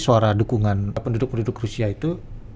suara dukungan penduduk penduduk rusia itu